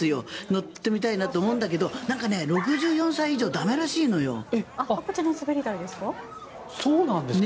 乗ってみたいなと思うんだけど６４歳以上は駄目らしいんですよ。